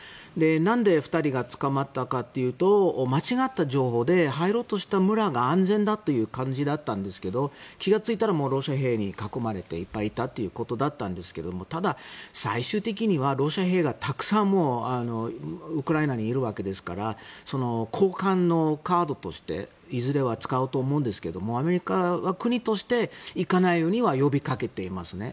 なんで２人が捕まっていたかというと間違った情報で入ろうとした村が安全だという感じだったんですけど気がついたらロシア兵に囲まれていっぱいいたということだったんですがただ、最終的にはロシア兵がたくさんウクライナにいるわけですから交換のカードとしていずれは使うと思うんですけどもアメリカは国として行かないようには呼びかけていますね。